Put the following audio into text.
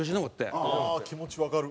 ああ気持ちわかる。